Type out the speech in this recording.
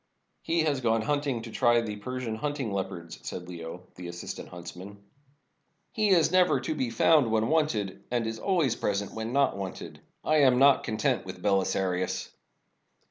"He has gone hunting to try the Persian hunting leopards," said Leo, the assistant huntsman. "He is never to be found when wanted, and is always present when not wanted. I am not content with Beli sarius.